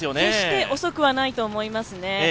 決して遅くはないと思いますね。